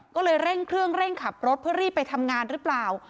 ก็เลยเร่งเครื่องเร่งขับรถเพื่อรีบไปทำงานหรือเปล่า